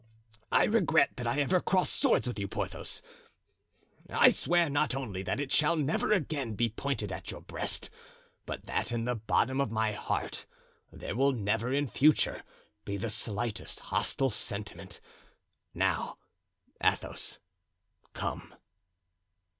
I regret that I ever crossed swords with you, Porthos; I swear not only that it shall never again be pointed at your breast, but that in the bottom of my heart there will never in future be the slightest hostile sentiment; now, Athos, come."